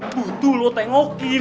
butuh lo tengokin